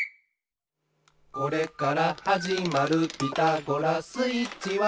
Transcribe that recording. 「これからはじまる『ピタゴラスイッチ』は」